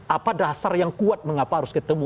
apa dasar yang kuat mengapa harus ketemu